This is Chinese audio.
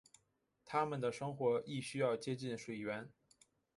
它们的生活亦需要接近水源。